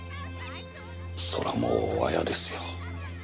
そらもうわやですよ。